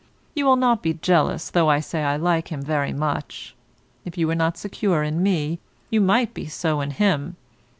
You will not be jealous though I say I like him very much. If you were not secure in me, you might be so in him.